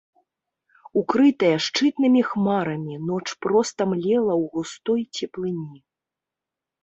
Укрытая шчытнымі хмарамі, ноч проста млела ў густой цеплыні.